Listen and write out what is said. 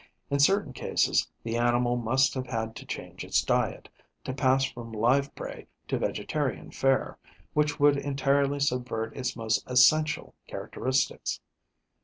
In certain cases, the animal must have had to change its diet, to pass from live prey to vegetarian fare, which would entirely subvert its most essential characteristics.